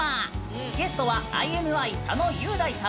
ゲストはＩＮＩ佐野雄大さん